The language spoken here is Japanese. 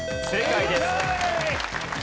正解です。